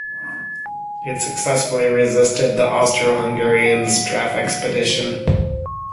It successfully resisted the Austro-Hungarian Strafexpedition.